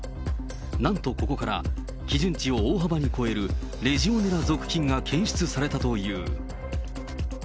なんとここから、基準値を大幅に超えるレジオネラ属菌が検出されたという。